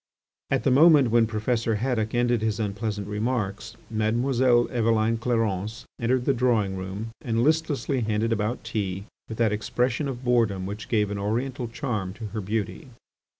At the moment when Professor Haddock ended his unpleasant remarks, Mademoiselle Eveline Clarence entered the drawing room and listlessly handed about tea with that expression of boredom which gave an oriental charm to her beauty.